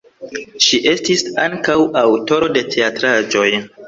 Ŝi estis ankaŭ aŭtoro de teatraĵoj.